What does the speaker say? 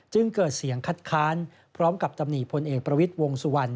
จึงเกิดเสียงคัดค้านพร้อมกับตำหนิพลเอกประวิทย์วงสุวรรณ